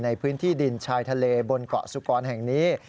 ในพื้นที่ดินชายทะเลบนเกาะสุกรแห่งนี้